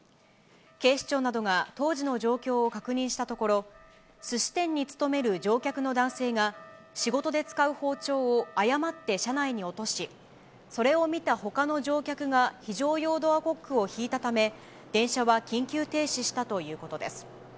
警視庁などが、当時の状況を確認したところ、すし店に勤める乗客の男性が、仕事で使う包丁を誤って車内に落とし、それを見たほかの乗客が非常用ドアコックを引いたため、電車は緊急停止したということです。